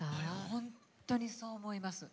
本当にそう思います。